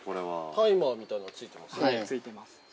◆タイマーみたいなのついてますね。